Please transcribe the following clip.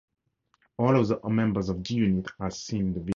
All of the members of G-Unit are seen in the video.